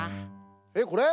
えっこれ？